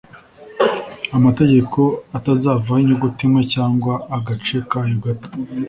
amategeko atazavaho inyuguti imwe cyangwa agace kayo gato